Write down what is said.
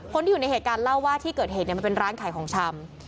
คนที่อยู่ในเหตุการณ์เล่าว่าที่เกิดเหตุมันเป็นร้านขายของชำ